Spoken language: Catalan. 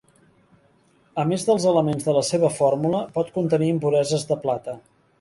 A més dels elements de la seva fórmula, pot contenir impureses de plata.